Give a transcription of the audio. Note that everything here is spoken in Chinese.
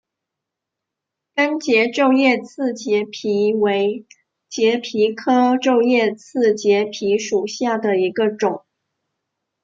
柑桔皱叶刺节蜱为节蜱科皱叶刺节蜱属下的一个种。